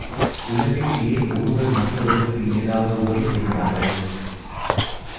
உலகில் ஏன் ஒருவர் மற்றவருக்கு ஏதாவது உதவி செய்கிறார்கள்?